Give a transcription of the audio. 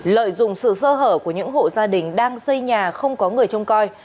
lợi dụng sự sơ hở của những hộ gia đình đang xây nhà không có người trông coi